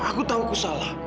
aku tahu aku salah